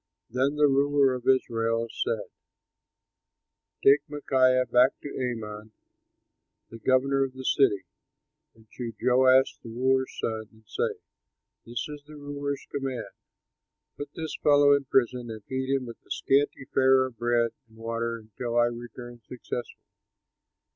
Then the ruler of Israel said, "Take Micaiah back to Amon, the governor of the city, and to Joash, the ruler's son, and say, 'This is the ruler's command: Put this fellow in prison and feed him with a scanty fare of bread and water until I return successful.'"